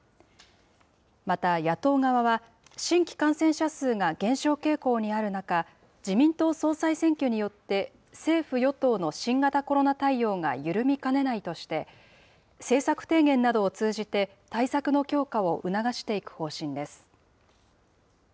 また、野党側は、新規感染者数が減少傾向にある中、自民党総裁選挙によって、政府・与党の新型コロナ対応が緩みかねないとして、政策提言などを通じて、対策の強化を促していく方針です。